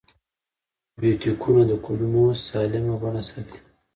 پروبیوتیکونه د کولمو سالمه بڼه ساتي.